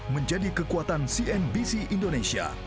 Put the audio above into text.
menjadi kekuatan cnbc indonesia